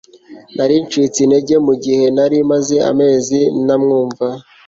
Nari ncitse intege mugihe ntari maze amezi ntamwumva